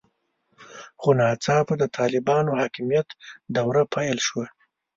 خو ناڅاپه د طالبانو حاکمیت دوره پیل شوه.